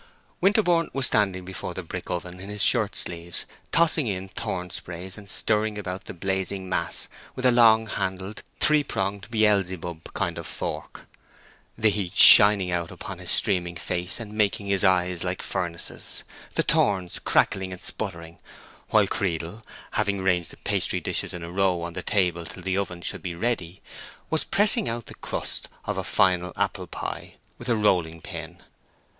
Winterborne was standing before the brick oven in his shirt sleeves, tossing in thorn sprays, and stirring about the blazing mass with a long handled, three pronged Beelzebub kind of fork, the heat shining out upon his streaming face and making his eyes like furnaces, the thorns crackling and sputtering; while Creedle, having ranged the pastry dishes in a row on the table till the oven should be ready, was pressing out the crust of a final apple pie with a rolling pin.